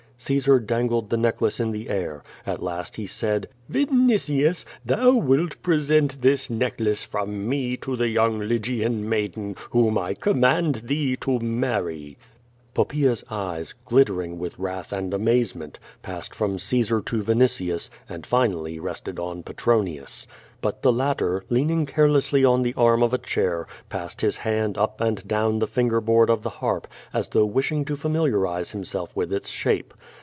Caesar dangled the necklace in the air. At last he said: "Vinitius, thou wilt present this necklace from me to the young Lygian maiden, whom I command thee to marry." Poppaea 's eyes, glittering with wratli and amazement, pass ed from Caesar to Vinitius, and finally rested on Petronius. QUO VADtfS, ^ 304 But the latter, leaning carelessly on the arm of a chair, passed his hand up and down the finger board of the harp, as though wishing to familiarize himself with its shape.